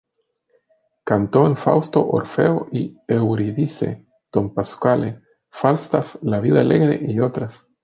Canto en Fausto, Orfeo y Euridice, Don Pasquale, Falstaff, La viuda alegre, y otras.